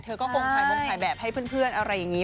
เธอก็คงไขวงไขแบบให้เพื่อนอะไรอย่างนี้